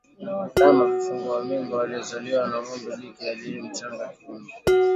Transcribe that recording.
Ndama vifungua mimba waliozaliwa na ng'ombe jike aliye mchanga kiumri